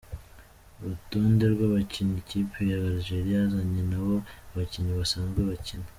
Urutonde rw’abakinnyi ikipe ya Algeria yazanye n’aho abakinnyi basanzwe bakina.